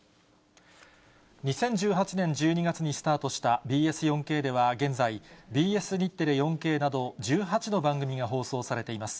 ２０１８年１２月にスタートしたＢＳ４Ｋでは現在、ＢＳ日テレ４Ｋなど、１８の番組が放送されています。